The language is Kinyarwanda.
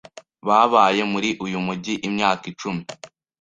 Babaye muri uyu mujyi imyaka icumi.